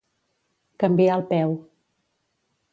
Canviar el peu.